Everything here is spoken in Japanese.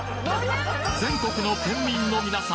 全国の県民の皆様